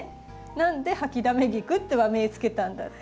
なんでハキダメギクって和名付けたんだって。